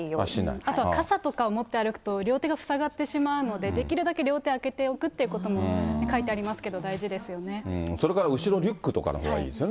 あとは傘とかを持って歩くと、両手がふさがってしまうので、できるだけ両手を空けておくということも書いてありますけど、大それから後ろ、リュックとかのほうがいいですよね。